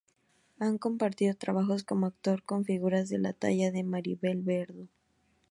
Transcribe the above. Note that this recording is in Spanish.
Ha compartido trabajos como actor con figuras de la talla de Maribel Verdú.